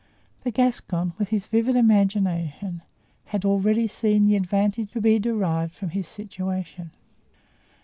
The Gascon, with his vivid imagination, had already seen the advantage to be derived from his situation.